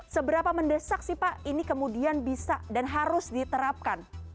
seberapa mendesak sih pak ini kemudian bisa dan harus diterapkan